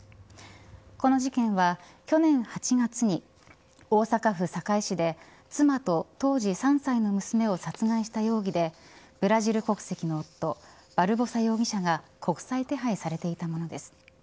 この事件は去年８月に大阪府堺市で妻と当時３歳の娘を殺害した容疑でブラジル国籍の夫バルボサ容疑者が国際手配されていたものです。